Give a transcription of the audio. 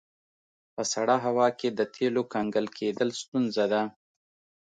په سړه هوا کې د تیلو کنګل کیدل ستونزه ده